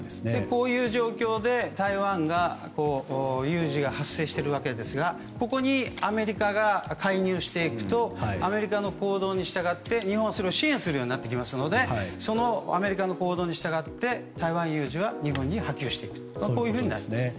こういう状況で台湾有事が発生しているわけですがここにアメリカが介入していくとアメリカの行動に従って日本はそれを支援するようになってきますのでそのアメリカの行動に従って台湾有事は日本に波及していくということになっています。